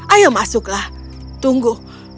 ayo masuklah tunggu